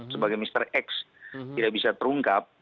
sebagai mr x tidak bisa terungkap